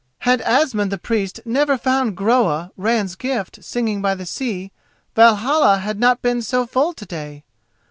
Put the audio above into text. "Had Asmund the Priest never found Groa, Ran's gift, singing by the sea, Valhalla had not been so full to day.